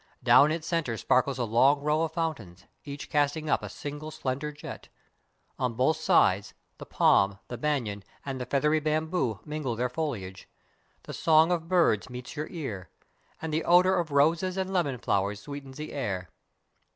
Down its center sparkles a long row of fountains, each casting up a single slender jet. On both sides, the palm, the banyan, and the feath ery bamboo mingle their foliage ; the song of birds meets your ear, and the odor of roses and lemon flowers sweetens the air.